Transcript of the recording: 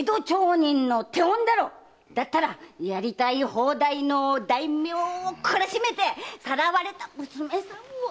だったらやりたい放題の大名を懲らしめてさらわれた娘さんを取り返せ！